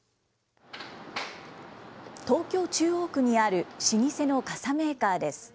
東京・中央区にある老舗の傘メーカーです。